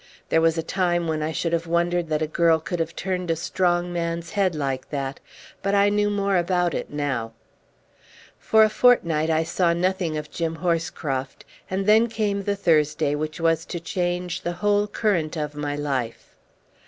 There was a time when I should have wondered that a girl could have turned a strong man's head like that, but I knew more about it now. For a fortnight I saw nothing of Jim Horscroft, and then came the Thursday which was to change the whole current of my life.